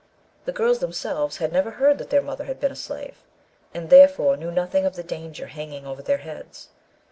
The girls themselves had never heard that their mother had been a slave, and therefore knew nothing of the danger hanging over their heads.